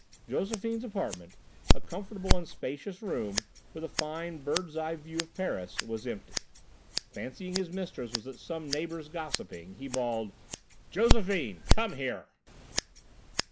Josephine's apartment, a comfortable and spacious room, with a fine bird's eye view of Paris, was empty. Fancying his mistress was at some neighbour's gossiping, he bawled: "Josephine! Come here!"